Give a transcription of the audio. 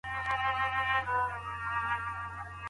ایا کورني سوداګر پسته صادروي؟